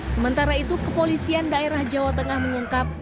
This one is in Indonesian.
sementara itu kepolisian daerah jawa tengah mengungkap